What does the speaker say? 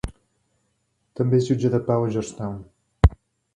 També és jutge de pau a George Town.